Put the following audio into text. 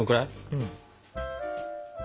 うん。